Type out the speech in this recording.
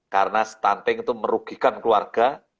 karena stunting itu merugikan keluarga